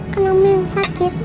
kan oma yang sakit